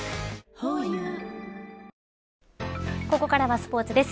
ホーユーここからはスポーツです。